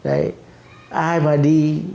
ai mà đi